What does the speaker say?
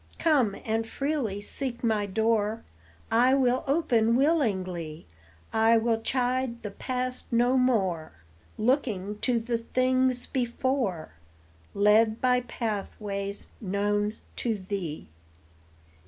Come and freely seek my door, I will open willingly; I will chide the past no more, Looking to the things before, Led by pathways known to thee.